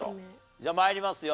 じゃあ参りますよ。